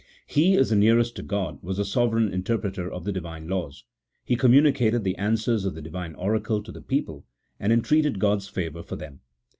He, as the nearest to God, was the sovereign interpreter of the Divine laws ; he communicated the answers of the Divine oracle to the people, and entreated God's favour for them.